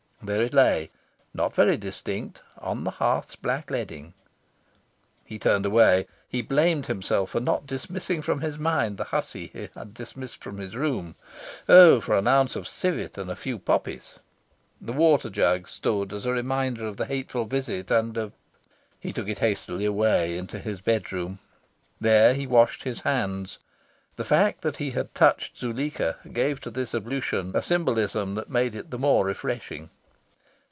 There it lay, not very distinct on the hearth's black leading. He turned away. He blamed himself for not dismissing from his mind the hussy he had dismissed from his room. Oh for an ounce of civet and a few poppies! The water jug stood as a reminder of the hateful visit and of... He took it hastily away into his bedroom. There he washed his hands. The fact that he had touched Zuleika gave to this ablution a symbolism that made it the more refreshing.